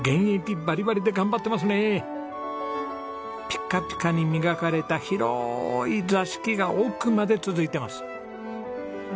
ピカピカに磨かれた広い座敷が奥まで続いてます。